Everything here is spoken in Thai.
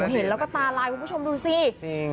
เห็นแล้วก็ตาลายคุณผู้ชมดูสิ